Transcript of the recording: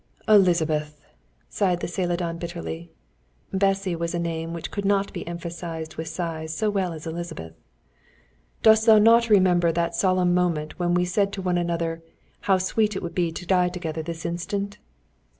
"Elizabeth!" sighed the Celadon bitterly (Bessy was a name which could not be emphasized with sighs so well as Elizabeth), "dost thou not remember that solemn moment when we said to one another, 'How sweet it would be to die together this instant'?